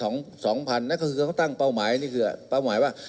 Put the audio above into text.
นั่นก็คือเขาตั้งเป้าหมายนี่คือเป้าหมายว่า